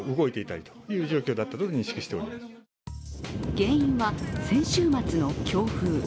原因は先週末の強風。